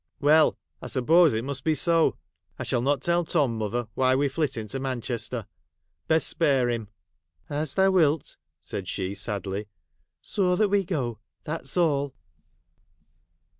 ' Well, I suppose it must be so. I shall not tell Tom, mother, why we 're flitting to Man chester. Best spare him.' ' As thou wilt,' said she, sadly, ' so that we go, that 's all.'